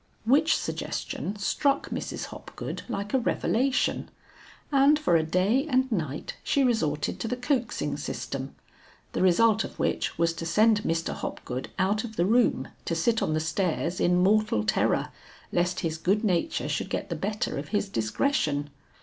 Which suggestion struck Mrs. Hopgood like a revelation, and for a day and night she resorted to the coaxing system; the result of which was to send Mr. Hopgood out of the room to sit on the stairs in mortal terror, lest his good nature should get the better of his discretion.